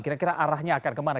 kira kira arahnya akan kemana